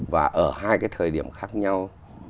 và ở hai cái thời điểm khác nhau